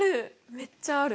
めっちゃある。